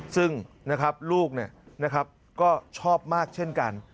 ซึ่งนะครับลูกก็ชอบมากเช่นกัน